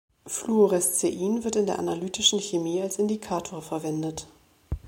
Fluorescein wird in der analytischen Chemie als Indikator verwendet.